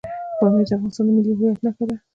پامیر د افغانستان د ملي هویت نښه ده.